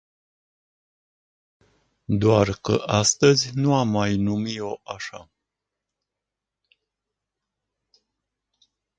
Doar că astăzi nu am mai numi-o așa.